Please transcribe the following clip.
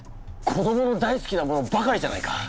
子どもの大好きなものばかりじゃないか！